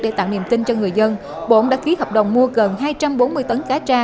để tạo niềm tin cho người dân bộn đã ký hợp đồng mua gần hai trăm bốn mươi tấn cá tra